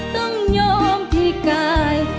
ต้องยอมที่กาย